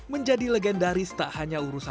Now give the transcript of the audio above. menjadi legendaris tak hanya untuk orang tua